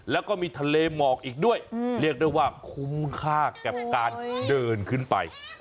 แล้วก็มีทะเลหมอกอีกด้วยเรียกได้ว่าคุ้มค่ากับการเดินขึ้นไป